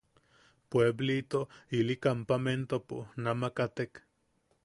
Pueblito ili kampamentopo, nama katek.